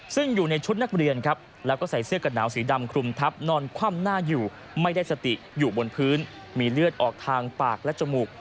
ซึ่งอยู่ในชุดนักเรียนครับแล้วก็ใส่เสื้อกระหนาวสีดำคลุมทับนอนคว่ำหน้าอยู่ไม่ได้สติอยู่บนพื้นมีเลือดออกทางปากและจมูก